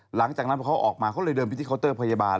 หลังจากนั้นพอเขาออกมาเขาเลยเดินไปที่เคาน์เตอร์พยาบาล